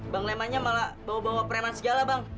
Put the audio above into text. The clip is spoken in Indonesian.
bang lemannya malah bawa bawa preman segala bang